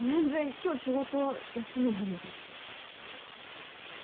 今日仕事休みなんでね。